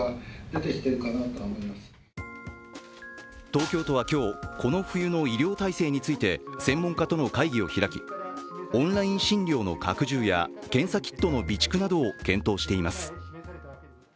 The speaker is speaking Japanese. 東京都は今日、この冬の医療体制について専門家との会議を開き、オンライン診療の拡充や、検査キットの備蓄などを検討しています。